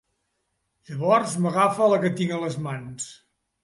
Llavors m'agafa la que tinc a les mans.